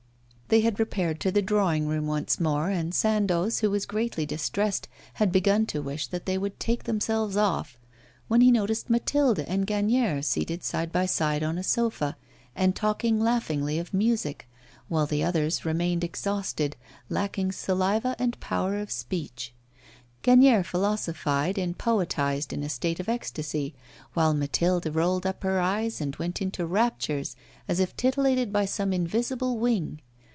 They had repaired to the drawing room once more, and Sandoz, who was greatly distressed, had begun to wish that they would take themselves off, when he noticed Mathilde and Gagnière seated side by side on a sofa and talking languishingly of music, while the others remained exhausted, lacking saliva and power of speech. Gagnière philosophised and poetised in a state of ecstasy, while Mathilde rolled up her eyes and went into raptures as if titillated by some invisible wing.